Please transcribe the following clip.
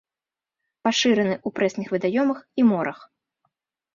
Пашыраны ў прэсных вадаёмах і морах.